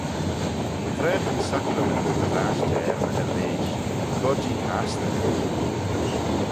Tra ta'n sacrament dy vashtey er ny hirveish, cur-jee tastey da.